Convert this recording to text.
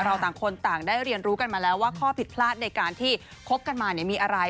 ต่างคนต่างได้เรียนรู้กันมาแล้วว่าข้อผิดพลาดในการที่คบกันมาเนี่ยมีอะไร